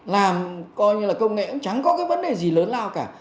làm coi như là công nghệ cũng chẳng có cái vấn đề gì lớn lao cả